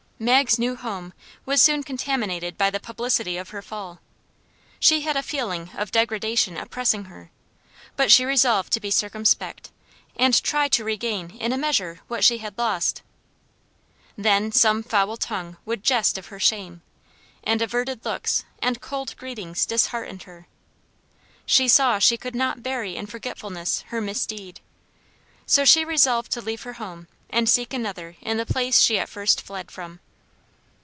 Mag's new home was soon contaminated by the publicity of her fall; she had a feeling of degradation oppressing her; but she resolved to be circumspect, and try to regain in a measure what she had lost. Then some foul tongue would jest of her shame, and averted looks and cold greetings disheartened her. She saw she could not bury in forgetfulness her misdeed, so she resolved to leave her home and seek another in the place she at first fled from.